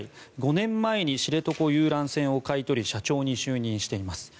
５年前に知床遊覧船を買い取り社長に就任しています。